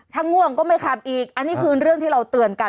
ถ้าง่วงก็ไม่ขับอีกอันนี้คือเรื่องที่เราเตือนกัน